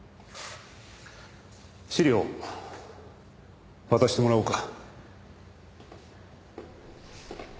資料渡してもらおうか。